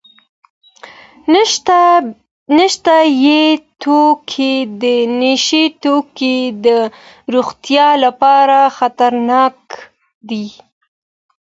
نشه یې توکي د روغتیا لپاره خطرناک دي.